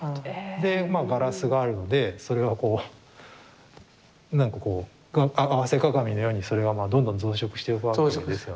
でまあガラスがあるのでそれはこう何かこう合わせ鏡のようにそれがどんどん増殖していくわけですよね。